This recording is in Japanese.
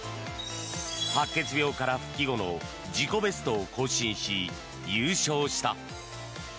白血病から復帰後の自己ベストを更新し、優勝した。